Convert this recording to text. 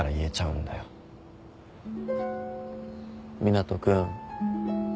湊斗君。